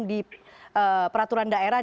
di peraturan daerah